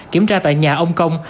kiểm tra tại nhà ông công